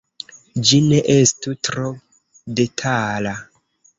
Ĝi ne estu tro detala.